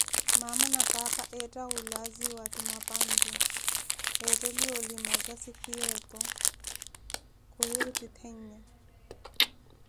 Maama na paapa etta wuulaziwa, ti amapantu, etteliye olimaza sikuya eto, kuhiruti ttheenya.